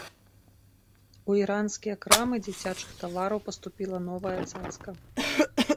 У іранскія крамы дзіцячых тавараў паступіла новая цацка.